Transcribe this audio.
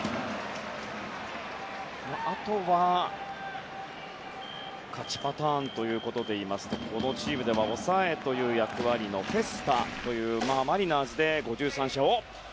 あとは勝ちパターンということでいいますとこのチームでは抑えという役割のフェスタというマリナーズで５３勝の。